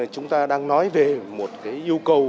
chúng ta đang nói về một yêu cầu